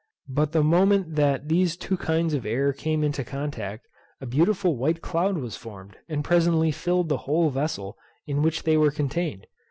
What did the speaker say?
But the moment that these two kinds of air came into contact, a beautiful white cloud was formed, and presently filled the whole vessel in which they were contained.